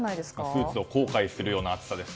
スーツを後悔するような暑さです。